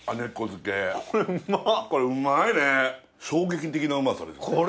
衝撃的なうまさです。